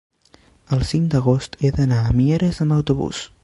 el cinc d'agost he d'anar a Mieres amb autobús.